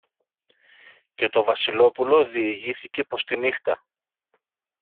Και το Βασιλόπουλο διηγήθηκε πως τη νύχτα